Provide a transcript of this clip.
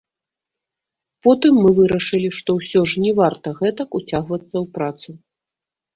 Потым мы вырашылі, што ўсё ж не варта гэтак уцягвацца ў працу.